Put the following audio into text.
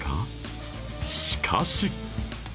しかし